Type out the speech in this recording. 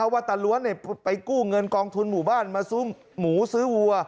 ว่าตาล้วนไปกู้เงินกองทุนหมู่บ้านมาซื้อหมูซื้อวัว